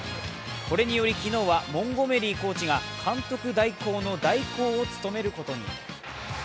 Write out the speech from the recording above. これにより昨日はモンゴメリーコーチが監督代行の代行を務めることに。